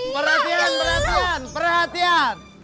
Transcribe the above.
perhatian perhatian perhatian